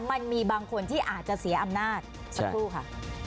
มันมีบางคนที่อาจจะเสียอำนาจสักครู่ค่ะ